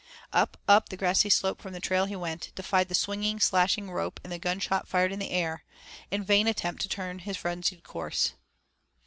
Up, up the grassy slope from the trail he went, defied the swinging, slashing rope and the gunshot fired in air, in vain attempt to turn his frenzied course.